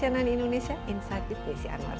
cnn indonesia insight video siang kali ini